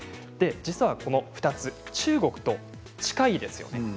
実はこの２つ中国と近いですよね。